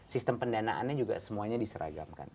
sistem pendanaannya juga semuanya diseragamkan